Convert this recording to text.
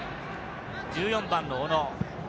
１４番の小野。